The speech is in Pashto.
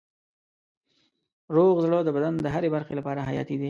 روغ زړه د بدن د هرې برخې لپاره حیاتي دی.